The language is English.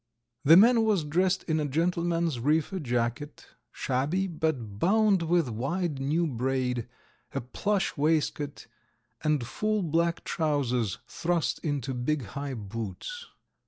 The man was dressed in a gentleman's reefer jacket, shabby, but bound with wide new braid, a plush waistcoat, and full black trousers thrust into big high boots.